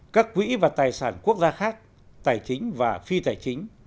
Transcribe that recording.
các quỹ và tài sản quốc gia khác tài chính và phi tài chính